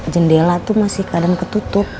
jendela tuh masih kadang ketutup